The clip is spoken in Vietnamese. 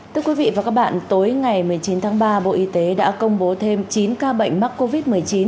thưa quý vị và các bạn tối ngày một mươi chín tháng ba bộ y tế đã công bố thêm chín ca bệnh mắc covid một mươi chín